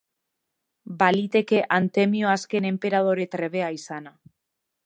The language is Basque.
Baliteke Antemio azken enperadore trebea izana.